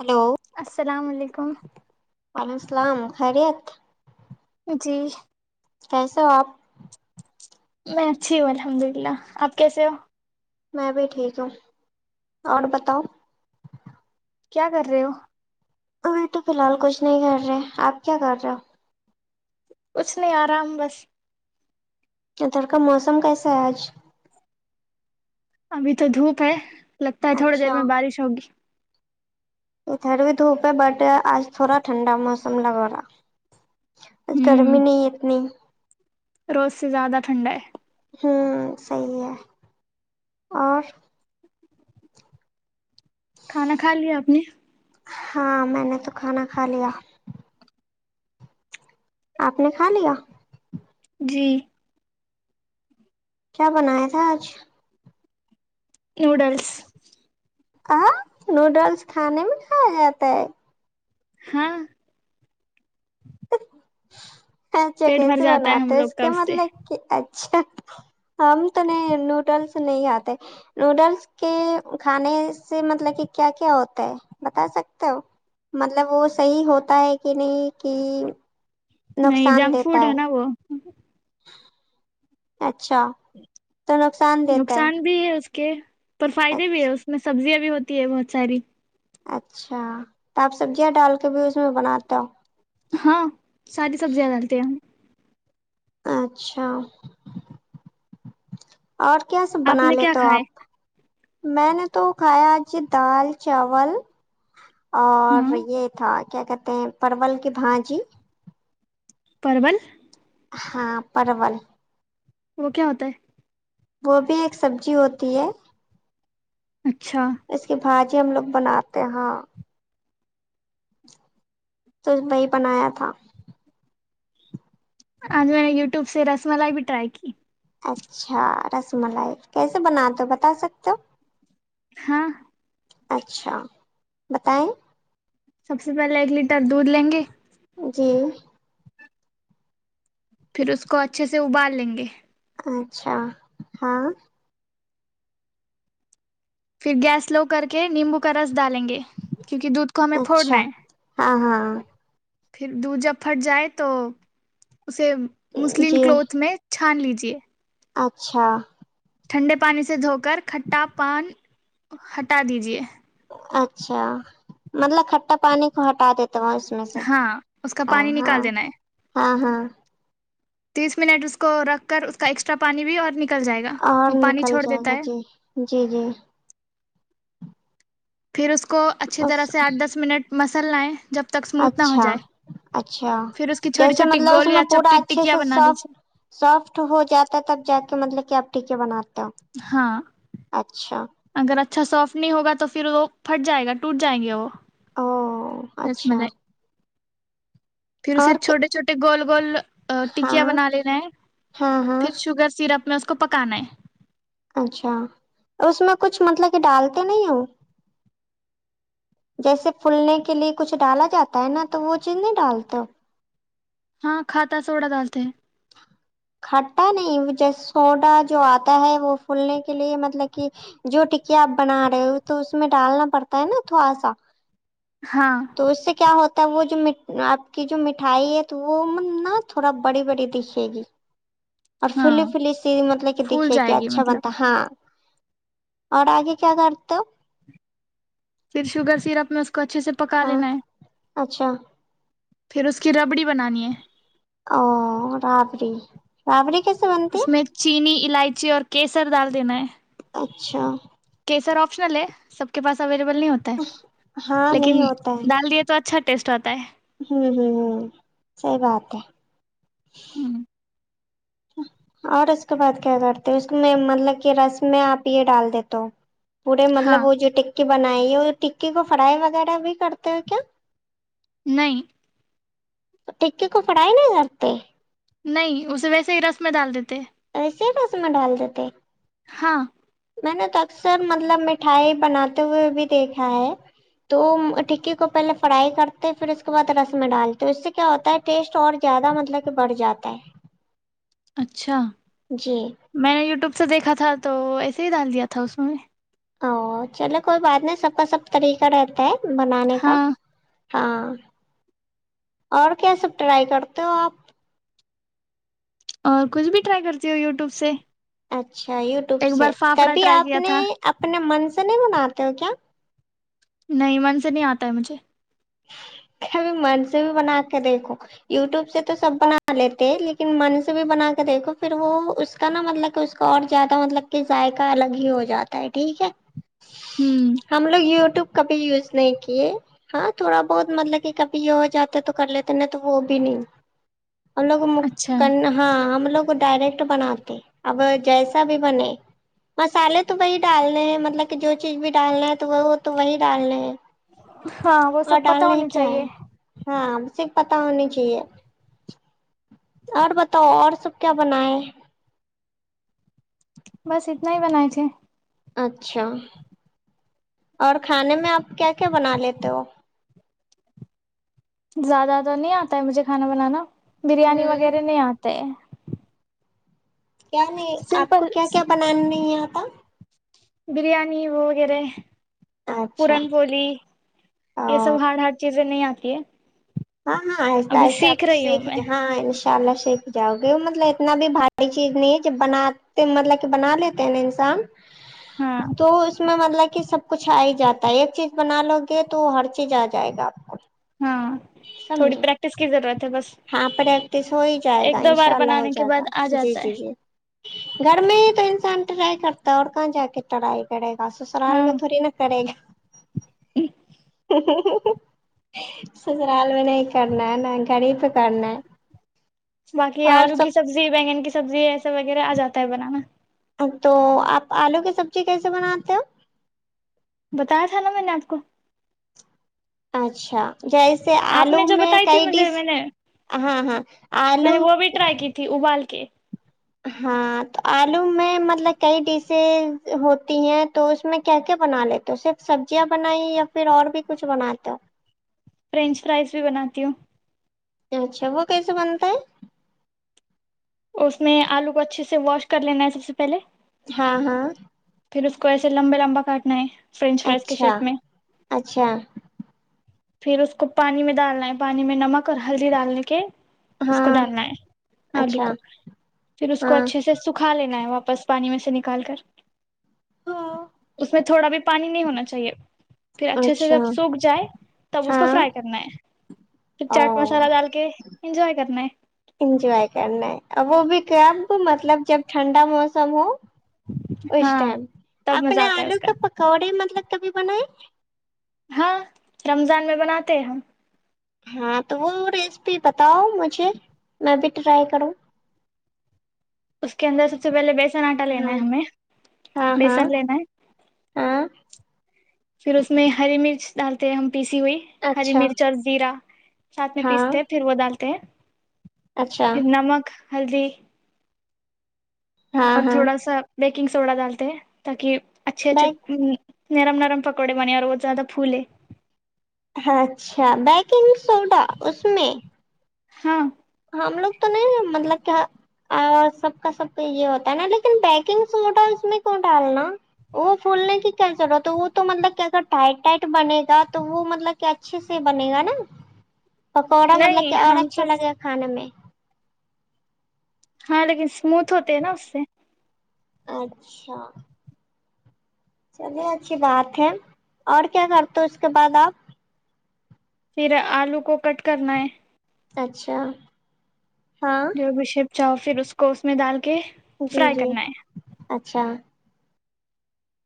Hello السلام علیکم وعلیکم السلام خیریت جی کیسے ہو آپ میں اچھی ہوں الحمد للہ آپ کیسے ہو میں بھی ٹھیک ہوں اور بتاؤ کیا کر رہے ہو ابھی تو فی الحال کچھ نہیں کر رہے آپ کیا کر رہے ہو کچھ نہیں آر ہ بس ادھر کا موسم کیسا ہے آج؟ ابھی تو دھوپ ہے لگتا ہے تھوڑی دیر اچھا میں بارش ہوگی ادھر بھی دھوپ ہے بٹ آج تھوڑا ٹھنڈا موسم لگا رہا ہوں گرمی نہیں ہے اتنی روز سے زیادہ ٹھنڈا ہے ہوں صی ہے اور کھانا کھا لیا آپ نے ہاں میں نے تو کھانا کھا لیا آپ نے کھا لیا جی کیا بنایا تھا آج نوڈلس ہ نوڈلس کھانے میں ک جاتا ہے ہاں [unintelligible] اچھا پیٹ بھر کیسے جاتا ہے ہم بناتے لوگ اس کا کے سے مطلب کہ اچھا ہم تو نہیں نوڈلس نہیں کھاتے نوڈلس کے کھانے سے مطلب کہ کیا کیا ہوتا ہے بتا سکتے ہو مطلب وہ صحیح ہوتا ہے کہ نہیں کہ نہیں نقصان جنک دیتا فڈ ہے نا وہ [unintelligible] اچھا اچھا تو نقصان دیتا ہے کی اور فائدے بھی ہے اس میں سبزیاں بھی ہوتی ہے بہت ساری اچھا تو آپ سبزیاں ڈال کے بھی اس میں بناتا ہو ہاں ساری سبزیاں ڈالتے ہیں ہم اچھا اور کیا سا آپ بنا نے کیا لیتا ہو کھائے آپ میں نے تو کھایا آج دال چاول ہاں اور یہ تھا کیا کہتے ہیں پرول کی بھاجی پرول ہاں پرول وہ کیا ہوتا ہے وہ بھی ایک سبزی ہوتی ہے اچھا بھجی ہم لوگ بناتے ہاں تو وہی بنایا تھا آج میں نے یوٹیوب سے رس ملائی بھی ٹرائی کی اچھا رس ملائی کیسے بنا دو بتا سکتے ہو ہاں اچھا بتائیں سب سے پہلے ایک لیٹر دودھ لیں گے جی پھر اس کو اچھے سے ابال لیں گے اچھا ہاں پھر گیس سلو کر کے نیمبو کا رس ڈالیں گے کیونکہ دودھ کو ہمیں اچھا پھوڑنا ہے ہاں ہاں [unintelligible] پھر د جب پھٹ جائے تو اسے مسلم جی کلوتھ میں ھان لیجے [inaudible] اچھا ٹھنڈے پانی سے دھو کر کھٹا پان ہٹا دیجے اچھا مطلب کھٹا پانی کو ہٹا دیتا اس میں سے ہاں اس کا ہاں پانی نکال دینا ہے ہاں ہاں [inaudible] تیس منٹ اس کو رکھ کر اس کا ایکسٹرا پانی بھی اور ن اور نکل جائے گا جی جی جی پھر اس کو [inaudible] کو اچھی طرح اس سے آٹھ دس منٹ مس ہے جب تک اسموتھ نہ ہو اچھا جائے اچھا پھر اس کی چھوٹی جیسے چھوٹی مطلب اس گول یا میں پورا چپٹی اچھے ٹکیا سے بنا سافٹ لیجیے سافٹ ہو جاتا ہے تب جا کے مطلب کیا ٹھ کے بنات [unintelligible] ہاں اچھا اگر اچھا سافٹ نہیں ہوگا تو پھر وہ پھٹ جائے گا ٹوٹ جائیں گے وہ او رس اچھا ملائی پھر اسے اور کہ چھوٹے چھوٹے گول گول ٹکیا ہاں بنا لینا ہے ہاں ہاں پھر شوگر سیرپ میں اس کو پکانا ہے اچھا اس میں کچھ مطلب کہ ڈالتے نہیں ہو جیسے پولنے کے لیے کچھ ڈالا جاتا ہے نا تو وہ چیز نہیں ڈالتے ہو ہاں کھاتاتہ سوڑا ڈالتے کھٹا نہیں ج سوڈا جو آتا ہے وہ پھولنے کے لیے مطلب کہ جو ٹکیا آپ بنا رہے ہو تو اس میں ڈالنا پڑتا ہے نا تھوڑا سا ہاں تو اس سے کیا ہوتا وہ جو آپ کی جو مٹھائی ہے وہ نا تھوڑا بڑی بڑی دکھے گی اور ہاں فلی فلی س مطلب کہ پھول دیکھیے کہ جائے گی اچھا مطلب بنتا ہے ہاں اور آگے کیا کرتا پھر شوگر سیرپ اپ ن کو اچھے سے پکا ہاں لینا ہے اچھا پھر اس کی ربڑی بنانی ہے او رابڑی رابڑی کیس اس میں چینی الائ چی اور کیسر ڈال دینا ہے اچھا سر آپشنل ہے سب کے پس اوی نہیں ہوتا ہے ہاں لیکن نہیں ہوتا ہے ڈال دیے تو اچھا ٹیسٹ ہوتا ہے ہوں ہوں سحی بات ہے اور اس کے بعد کیا کرتے اس میں مطلب کہ رس میں آپ یہ ڈال دی تو پورے ہاں مطلب وہ جو کی بنائی یہ ٹکی کو فرائی وغیرہ بھی کرتے ہو کیا نہیں ٹکے کو پڑائی نہیں کرتے نہیں اسے ویسے ہی رس میں ڈال دیتے کے رسما ڈال دیتے ہاں میں نے تو اکثر مطلب مٹھائی بناتے ہوئے بھی دیکھا ہے تو ٹکی کو پہلے فرائی کرتے پھر اس کے بعد رس میں ڈالتے اس سے کیا ہوتا ہے ٹیسٹ اور زیادہ مطلب کہ بڑھ جاتا ہے اچھا جی میں نے یوٹیوب سے دیکھا تھا تو ڈال دیا تھا اس میں او چلو کوئی بات نہیں سب کا سب طریقہ رہتا ہے بنانے کا ہاں ہاں اور کیا سب ٹرائی کرتے ہو آپ اور کچھ بھی ٹرائی کرتی ہو یوٹیوب سے اچھا یوٹیوب ایک سے بار فافڑا تبھی ٹرائی آپ کیا نے تھا اپنے من سے ے نہیں منا آتے ہو کیا نہیں من سے نہیں آتا ہے مجھے ابھی من سے بھی بنا کے دیکھو یوٹیوب سے تو سب بنا لیتے لیکن من سے بھی بنا کے دیکھو پھر وہ اس کا نا مطلب کہ اس کا اور زیادہ مطلب کہ ذائقہ الگ ہی ہو جاتا ہے ٹھیک ہے ہوں ہم لوگ یوٹیوب کبھی یوز نہیں کیے ہاں تھوڑا بہت مطلب کہ کبھی یہ ہو جاتے تو کر لیتے نہیں تو وہ بھی نہیں ہم اچھا لوگ ہاں ہم لوگ ڈائریکٹ بناتے اب جیسا بھی بنے مسالے تو وہی ڈالنے ہیں مطلب کہ جو چیز بھی ڈالنا ہے تو وہ وہ تو وہی ڈالنا ہے [inaudible] ہاں وہ سب پت ہونا چاہیے پت ہونا چاہیے اور بتاؤ اور سب کیا بنائے بس اتنا ہی بنائے تھے اچھا اور کھانے میں آپ کیا کیا بنا لیتے ہو زیادہ تو نہیں آتا ہے مجھے کھانا بنانا بریانی ہوں وغیرہ نہیں آتے کیا نہیں آپ کو سمپل کیا کیا بنانا نہیں آتا بریانی وغیر اچھا پورن پلی یہ سب ہاں ہار ہارڈ چیزیں نہیں آتی کیا ہاں ہاں آت آ آ سیکھ ج میں ہاں ان شاء اللہ سیکھ جاؤ گے مطلب اتنا بھی بھاری چیز نہیں ہے جب بناتے مطلب کہ بنا لیتے ہیں نا انسان ہاں تو اس میں مطلب کہ سب کچھ آ ہی جاتا ہے ایک چیز بنا لو کے تو ہر چیز آ جائے گا آپ کو ہاں تھوڑی سمجھے پریکٹس کی ضرورت ہے بس ہاں پریکٹس ہو ہی جائے گا ایک دو بار انشاء اللہ ہو بنانے کے جائے گا بعد آ جی جاتا جی ہے جی گھر میں ہی تو انسان ٹرائی کرتا ہے اور کہاں جا کے ٹرائی کرے گا ساسو سرال ہاں میں تھوڑی نا کرے گی ہ [unintelligible] سسرال نہیں کرنا ہے نہ گڑب باقی آلو کی سب سبزی بینگن کی سبزی ایسا وغیرہ آ جا ہے بنانا تو آپ آلو کی سبزی کیسے بناتے ہو بتایا تھا نا میں نے آپ کو اچھا جیسے آپ آلو نے جو میں بتائی تھی کئی مجھے ڈش میں نے ہاں ہاں آلو اوکے ہاں تو آلو میں مطلب کئی ڈشز ہوتی ہیں تو اس میں کیا کیا بنا لیتے ہو صرف سبزیاں بنائی یا پھر اور بھی کچھ بناتے ہو فرینچ فرائز بھی بناتی ہوں ہو اچھا وہ کیسے بنتا ہے اس میں آلو کو اچھے سے واش کر لینا ہے سب سے پہلے ہاں ہاں پھر اس کو ایسے لمبے لمبا کاٹنا ہے فرینچ فرائز کے اچھا شیپ میں اچھا پھر اس کو پانی میں ڈالنا ہے پانی میں نمک اور ہلدی ڈالنے کے اس کو ہاں ڈالنا ہے آلو اچھا کو پھر اس کو ہاں اچھے سے سکھا لینا ہے وہ واپس پانی میں سے نکال کر تو اس میں تھوڑا بھی پانی نہیں ہونا چاہیے پھر اچھے سے اچھا جب سوکھ جائے تب اس کو ہاں فرائی کرنا ہے پھر او چاٹ مسالہ ڈال کے انجوائے کرنا ہے انجوائے کرنا ہے اور وہ بھی کب مطلب جب ٹھنڈا موسم ہو اس ہاں ٹائم تب مزہ اپنے آتا ہے آلو اس کا کے پکوڑے مطلب کبھی بنائے ہاں رمضان میں بناتے ہم ہاں تو وہ ریسیپی بتاؤ مجھے میں بھی ٹرائی کروں اس کےدر سب سے پہے بی چ آٹا لینا ہے ہاں ہمیں ہاں ہاں بیسن لینا ہے ہاں پھر اس میں ہری مرچ ڈالتے ہیں ہم پیسی ہوئی ہری اچھا مرچ اور زیرا سھ میں ہاں پیستے پھر وہ ڈالتے اچھا کہ نمک ہل جی ہاں اور ہاں تھوڑا سا دیکھ کنگ سوڈا ڈالتے تاک اچھا اچھا بیک نرم نرم پکوڑے بنی اور ر وہت زیادہ پھول ہے اچھا بیکنگ سوڈا اس میں ہاں ہم لوگ تو نہیں مطلب کہ سب کا سب کا یہ ہوتا ہے نا لیکن بیکنگ سوڈا اس میں کووں ڈالنا وہ پھولنے کی کیا ضرورت ہے وہ تو مطلب کہ اگر ٹائٹ ٹائٹ بنے گا تو وہ مطلب کہ اچھے سے بنے گا نا پکوڑا مطلب نہیں کہ اور ہم اچھا تو لگے گا میں ہاں لیکن اسموتھ ہوتے ہیں نا اس سے اچھا چلیے اچھی بات ہے اور کیا کرتے اس کے بعد آپ پھر آلو کو کٹ کرنا ہے اچھا ہاں جو بھیش چاؤ پھر اس کو اس میں دال ک جی فرائی جی کرنا ہے اچھا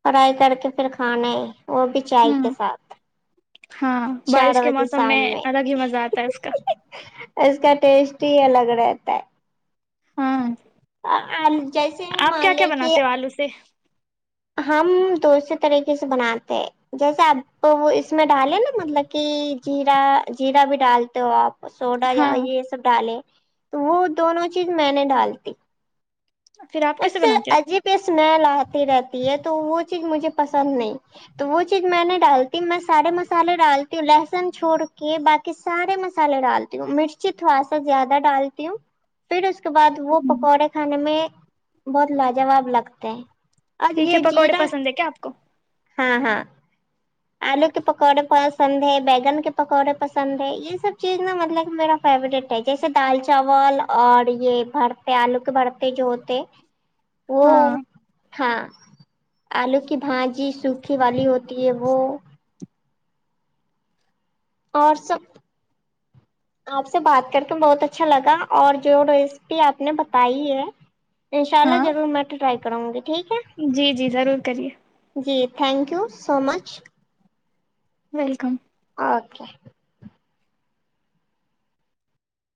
فرائی کر کے پھر کھانا ہے وہ بھی چائے ہے کے ہ ساتھ ہاں چار بارش کے بجے موسم شام میں الگ ہی مزہ آتا ہے اس کا اس کا ٹیسٹ یہ الگ رہتا ہے ہاں آ آپ کیا کیا بناتے ہو آلو سے ہم دوسرے طریقے سے بناتے ہیں جیسے آپ وہ اس میں ڈالیں نا مطلب کہ جا جیرا بھی ڈالتے ہو آپ سوڈا ہاں یہ سب ڈالے تو وہ دونوں چیز میں نے ڈالتی پھر آپ اس کیسے سے بناتے عجیب اسمیل آتی رہتی ہے تو وہ چیز مجھے پسند نہیں تو وہ چیز میں نے ڈالتی میں سارے مسالے ڈالتی ہوں لہسن چھوڑ کے باقی سارے مسالے ڈالتی ہوں مرچی تھوڑا سا زیادہ ڈالتی ہوں پھر اس کے بعد وہ ہو پکوڑے کھانے میں بہت لاجواب لگتے ہیں اور پٹھے یہ پکوڑے جیرا پسند ہے کیا آپ کو ہاں ہاں آلو کے پکوڑے پسند ہے بیگن کے پکوڑے پسند ہے یہ سب چیز نا مطلب میرا فیوروریٹ ہے جیسے دال چاول اور یہ بھرتے آلو کے بھرتے جو ہوتے او ہاں ہاں آلو کی بھجی سوکھی والی ہوتی ہے وہ اور سب آپ سے بات کر کے بہت اچھا لگا اور جو ریسیپی آپ نے بتائی ہے ان شاءا ہاں جضور مٹ ٹرائ کرو گی ھیک جی جی ضرور کریے جی thank you so much welcome okay